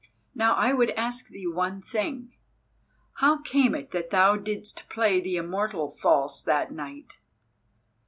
Now I would ask thee one thing. How came it that thou didst play the Immortal false that night?